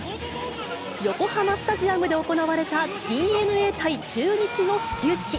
横浜スタジアムで行われたＤｅＮＡ対中日の始球式。